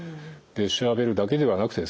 調べるだけではなくてですね